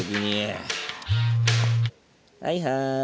はいはい。